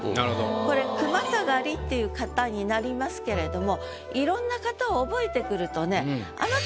これ句またがりっていう型になりますけれどもいろんな型を覚えてくるとねあら。